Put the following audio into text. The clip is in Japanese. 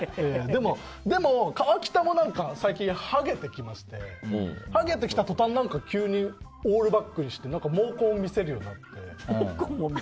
でも川北も最近ハゲてきましてハゲてきた途端急にオールバックにして毛根を見せるようになって。